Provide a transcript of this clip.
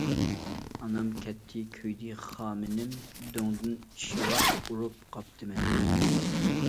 ئانام كەتتى- كۆيدى خامىنىم، دۆڭدىن شىۋاق ئورۇپ قاپتىمەن.